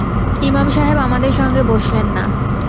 ইমাম সাহেব আমাদের সঙ্গে বসলেন না।